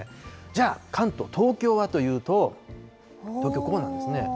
じゃあ、関東、東京はというと、東京、こうなんですね。